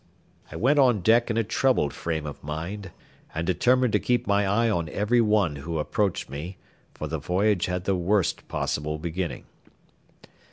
I went on deck in a troubled frame of mind, and determined to keep my eye on every one who approached me, for the voyage had the worst possible beginning.